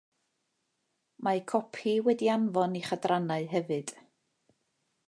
Mae copi wedi'i anfon i'ch adrannau hefyd